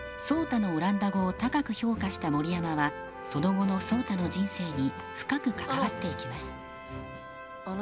壮多のオランダ語を高く評価した森山はその後の壮多の人生に深く関わっていきます。